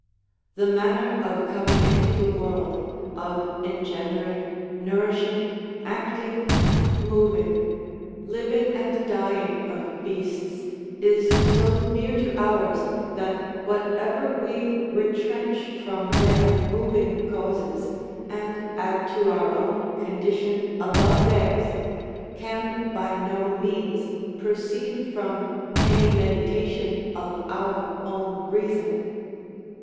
The manner of coming into the world, of engendering, nourishing, acting, moving, living and dying of beasts, is so near to ours that whatever we retrench from their moving causes, and add to our own condition above theirs, can by no means proceed from any meditation of our own reason.